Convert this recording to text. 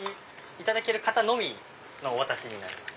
いただく方のみお渡しになります。